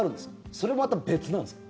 それはまた別なんですか？